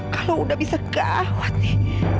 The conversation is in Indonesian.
kalau udah bisa gawat nih